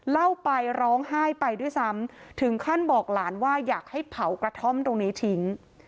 เล่าไปร้องไห้ไปด้วยซ้ำถึงขั้นบอกหลานว่าอยากให้เผากระท่อมตรงนี้ทิ้ง